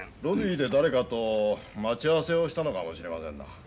ロビーで誰かと待ち合わせをしたのかもしれませんな。